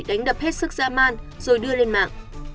đánh đập hết sức dã man rồi đưa lên mạng